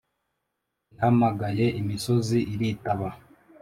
ihamagaye imisozi iritaba.